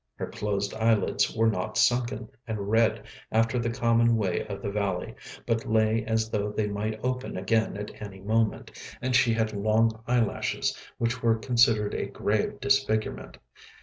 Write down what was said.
Her closed eyelids were not sunken and red after the common way of the valley, but lay as though they might open again at any moment; and she had long eyelashes, which were considered a grave disfigurement.